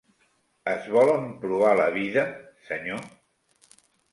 Es vol emprovar la vida, senyor?